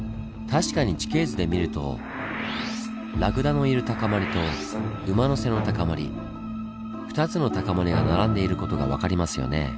確かに地形図で見るとラクダのいる高まりと馬の背の高まり２つの高まりが並んでいる事が分かりますよねぇ。